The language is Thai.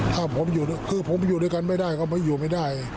ถ้าผมอยู่คือผมอยู่ด้วยกันไม่ได้ก็ไม่อยู่ไม่ได้